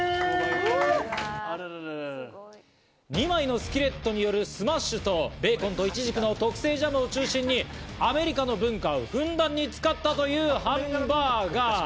２枚のスキレットによるスマッシュとベーコンとイチジクの特製ジャムを中心に、アメリカの文化をふんだんに使ったというハンバーガー。